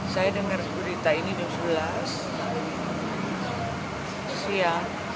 saya dengar berita ini di bulan siang